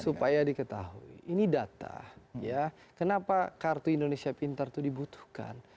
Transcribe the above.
supaya diketahui ini data ya kenapa kartu indonesia pintar itu dibutuhkan